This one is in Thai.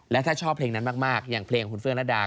และถ้าชอบเพลงนั้นมากอย่างเพลงคุณเฟื้องระดา